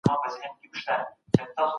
عدل کول د هر واکمن دنده ده.